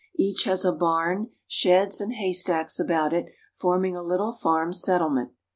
Each has a barn, sheds, and hay stacks about it, forming a little farm settlement.